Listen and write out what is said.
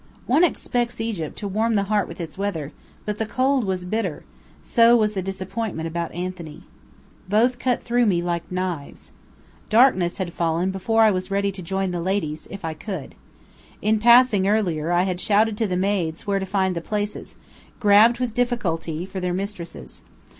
One expects Egypt to warm the heart with its weather, but the cold was bitter; so was the disappointment about Anthony. Both cut through me like knives. Darkness had fallen before I was ready to join the ladies if I could. In passing earlier, I had shouted to the maids where to find the places, grabbed with difficulty, for their mistresses.